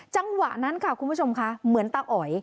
จังหวะนั้นค่ะคุณผู้ชมค่ะเหมือนตาอ๋อย